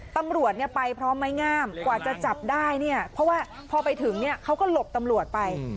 ตำรวจไปพร้อมไม้งามกว่าจะจับได้เนี่ยเพราะว่าพอไปถึงเนี่ยเขาก็หลบตำรวจไป